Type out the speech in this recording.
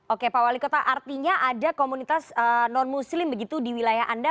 oke pak wali kota artinya ada komunitas non muslim begitu di wilayah anda